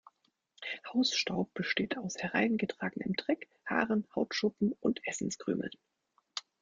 Hausstaub besteht aus hereingetragenem Dreck, Haaren, Hautschuppen und Essenskrümeln.